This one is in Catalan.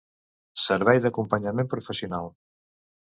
Servei d'acompanyament professional